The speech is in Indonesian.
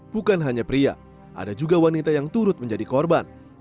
bukan hanya pria ada juga wanita yang turut menjadi korban